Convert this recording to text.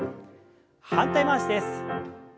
反対回しです。